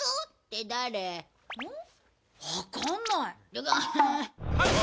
分かんない。